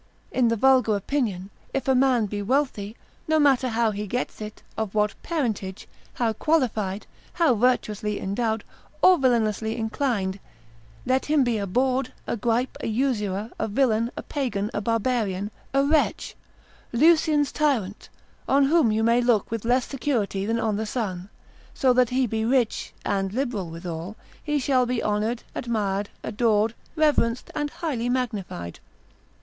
In the vulgar opinion, if a man be wealthy, no matter how he gets it, of what parentage, how qualified, how virtuously endowed, or villainously inclined; let him be a bawd, a gripe, an usurer, a villain, a pagan, a barbarian, a wretch, Lucian's tyrant, on whom you may look with less security than on the sun; so that he be rich (and liberal withal) he shall be honoured, admired, adored, reverenced, and highly magnified.